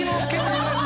違います。